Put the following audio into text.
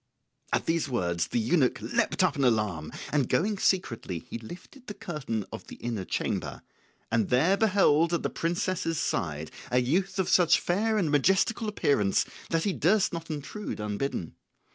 At these words the eunuch leapt up in alarm, and going secretly he lifted the curtain of the inner chamber, and there beheld at the princess's side a youth of such fair and majestical appearance that he durst not intrude unbidden.